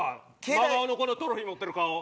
真顔のこのトロフィー持ってる顔。